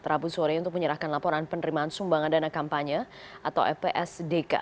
rabu sore untuk menyerahkan laporan penerimaan sumbangan dana kampanye atau lpsdk